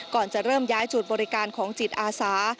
ก่อนจะเริ่มย้ายจุดบริการของจิตอาสา